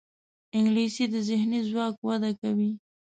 انګلیسي د ذهني ځواک وده کوي